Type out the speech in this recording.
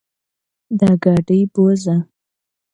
دا ګاډې بوځه.